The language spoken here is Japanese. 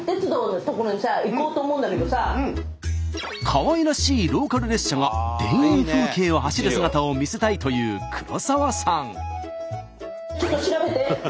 かわいらしいローカル列車が田園風景を走る姿を見せたいという黒沢さん。